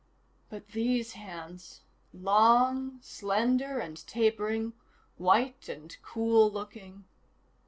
But these hands, long, slender and tapering, white and cool looking....